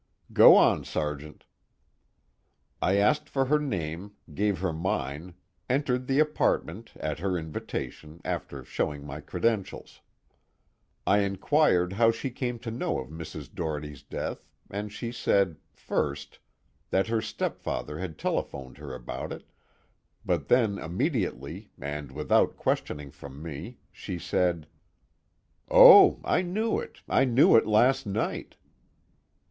"Go on, Sergeant." "I asked for her name, gave her mine, entered the apartment at her invitation after showing my credentials. I inquired how she came to know of Mrs. Doherty's death, and she said, first, that her stepfather had telephoned her about it, but then immediately, and without questioning from me, she said: 'Oh, I knew it, I knew it last night.'"